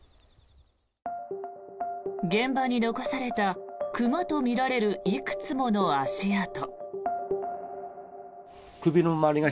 現場に残された熊とみられるいくつもの足跡。